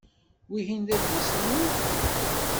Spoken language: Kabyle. Wihin d adlis-nwen?